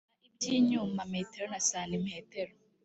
apima iby inyuma metero na santimetero